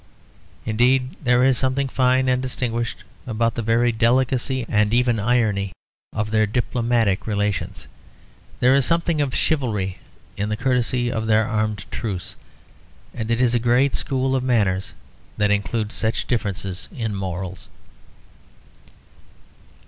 Indeed there is something fine and distinguished about the very delicacy, and even irony, of their diplomatic relations. There is something of chivalry in the courtesy of their armed truce, and it is a great school of manners that includes such differences in morals.